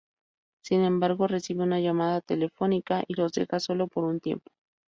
Sin embargo, recibe una llamada telefónica y los deja solo por un tiempo.